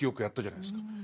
やったじゃないですか。